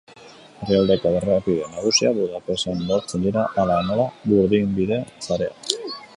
Herrialdeko errepide nagusiak Budapesten lotzen dira, hala nola, burdinbide sarea.